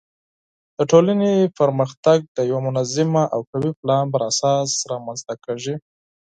د ټولنې پرمختګ د یوه منظم او قوي پلان پر اساس رامنځته کیږي.